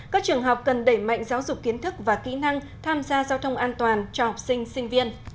các trường học cần đẩy mạnh giáo dục kiến thức và kỹ năng tham gia giao thông an toàn cho học sinh sinh viên